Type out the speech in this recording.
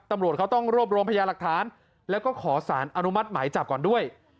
ตำรวจเขาต้องรวบรวมพยาหลักฐานแล้วก็ขอสารอนุมัติหมายจับก่อนด้วย